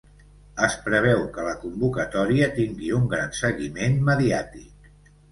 Es preveu que la convocatòria tingui un gran seguiment mediàtic.